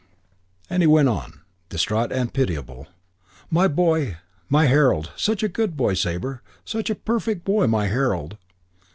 And he went on, distraught and pitiable. "My boy. My Harold. Such a good boy, Sabre. Such a perfect boy. My Harold!"